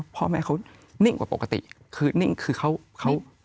พ่อแม่เขานิ่งกว่าปกติคือนิ่งคือเขาเขา